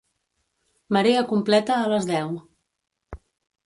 Marea completa a les deu.